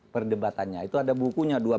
perdebatannya itu ada bukunya